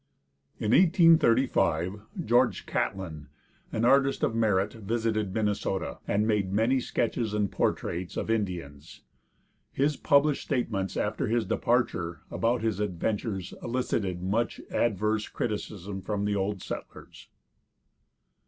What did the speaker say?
In 1835 George Catlin, an artist of merit, visited Minnesota, and made many sketches and portraits of Indians. His published statements after his departure about his adventures elicited much adverse criticism from the old settlers.